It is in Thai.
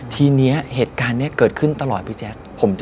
ทีนี้เหตุการณ์นี้เกิดขึ้นตลอดพี่แจ๊ค